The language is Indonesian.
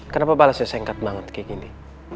kenapa balasnya singkat banget kayak gini